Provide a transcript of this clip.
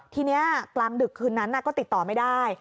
ทีนี้กลางดึกคืนนั้นก็ติดต่อไม่ได้